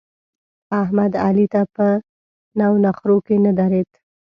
احمد؛ علي ته په نو نخرو کې نه درېد.